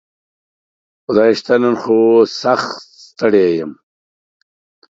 خدايي راستي نن خو سخت ستړى شوي يم